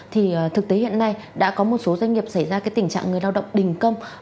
thì thực tế hiện nay đã có một số doanh nghiệp xảy ra tình trạng người lao động đình công